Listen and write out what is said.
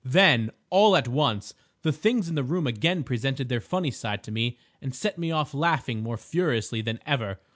"Then, all at once, the things in the room again presented their funny side to me and set me off laughing more furiously than ever.